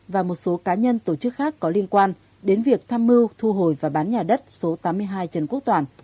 và một số cá nhân tổ chức khác có liên quan đến việc tham mưu thu hồi và bán nhà đất số tám mươi hai trần quốc toàn